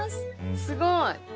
すごい！